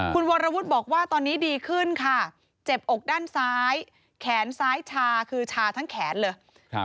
คุณวรวุฒิบอกว่าตอนนี้ดีขึ้นค่ะเจ็บอกด้านซ้ายแขนซ้ายชาคือชาทั้งแขนเลย